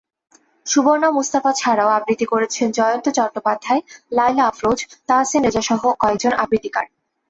সুবর্ণা মুস্তাফা ছাড়াও আবৃত্তি করেছেন জয়ন্ত চট্টোপাধ্যায়, লায়লা আফরোজ, তাহসিন রেজাসহ কয়েকজন আবৃত্তিকার।